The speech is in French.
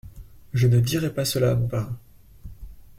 Je ne dirai pas cela à mon parrain.